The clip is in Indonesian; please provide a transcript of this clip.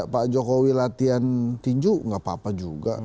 pak jokowi latihan tinju gak apa apa juga